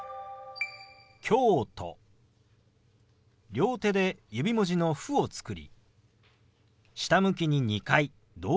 両手で指文字の「フ」を作り下向きに２回同時に動かします。